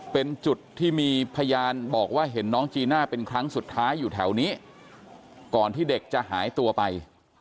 เป็นจุดที่มีพยานบอกว่าเห็นน้องจีน่าเป็นครั้งสุดท้ายอยู่แถวนี้ก่อนที่เด็กจะหายตัวไป